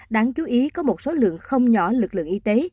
đáng chú ý có một số lượng không nhỏ lực lượng y tế